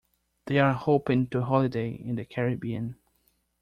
They are hoping to holiday in the Caribbean.